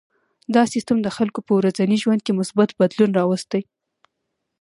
دا سیستم د خلکو په ورځني ژوند کې مثبت بدلون راوستی.